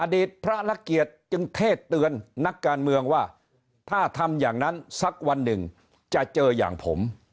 พระรักเกียรติจึงเทศเตือนนักการเมืองว่าถ้าทำอย่างนั้นสักวันหนึ่งจะเจออย่างผม